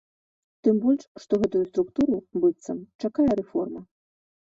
Тым больш, што гэтую структуру, быццам, чакае рэформа.